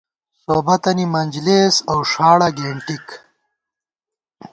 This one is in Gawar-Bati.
سوبَتَنی منجلېس اؤ ݭاڑہ گېنٹِک